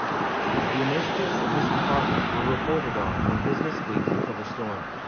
The initiatives of this department were reported on in a "BusinessWeek" cover story.